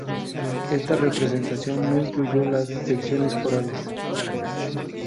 Esta representación no incluyó las secciones corales.